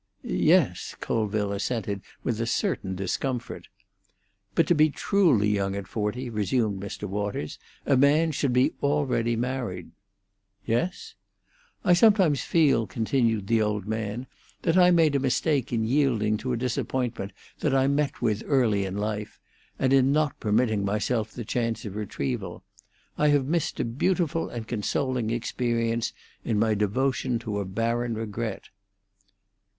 "Yes," Colville assented, with a certain discomfort. "But to be truly young at forty," resumed Mr. Waters, "a man should be already married." "Yes?" "I sometimes feel," continued the old man, "that I made a mistake in yielding to a disappointment that I met with early in life, and in not permitting myself the chance of retrieval. I have missed a beautiful and consoling experience in my devotion to a barren regret."